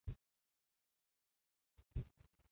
Tag’in yozishga ishtiyoq va intilish paydo bo’lardi.